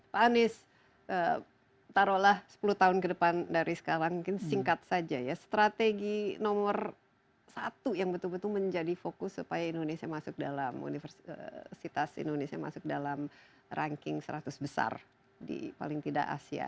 pak anies taruhlah sepuluh tahun ke depan dari sekarang mungkin singkat saja ya strategi nomor satu yang betul betul menjadi fokus supaya indonesia masuk dalam universitas indonesia masuk dalam ranking seratus besar di paling tidak asia